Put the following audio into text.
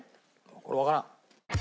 これはわからん。